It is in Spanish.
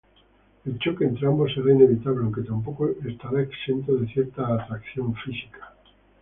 El choque entre ambos será inevitable, aunque tampoco estará exento de cierta atracción física.